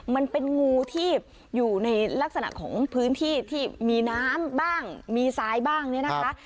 มันเป็นงูที่อยู่ในลักษณะของพื้นที่ที่มีน้ำบ้างมีทรายบ้างเนี่ยนะคะ